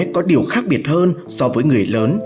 có điều khác biệt hơn so với người lớn